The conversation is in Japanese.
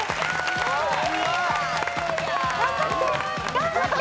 頑張って。